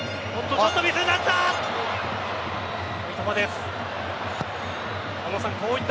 ちょっとミスになった。